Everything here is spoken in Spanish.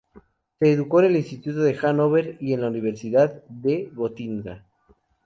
Se educó en el instituto de Hannover y en la universidad de Gotinga.